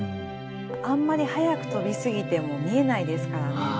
あんまり早く飛びすぎても見えないですからね。